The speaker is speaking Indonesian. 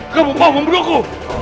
kamu mau membunuhku